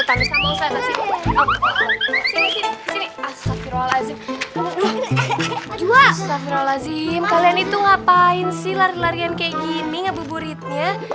astagfirullahaladzim kalian itu ngapain sih lari larian kayak gini ngebur buritnya